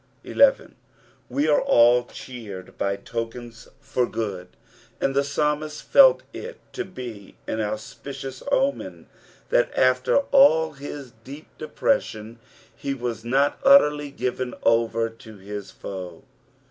11. We ate all cheered by tokens for good, and the psalmist felt it to be an auspicious omen, that after all his deep depression he was not utterly given over to his fue.